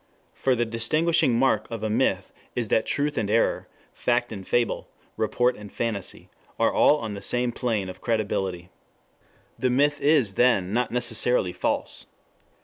For the distinguishing mark of a myth is that truth and error, fact and fable, report and fantasy, are all on the same plane of credibility. The myth is, then, not necessarily false.